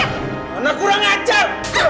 karena kurang ajar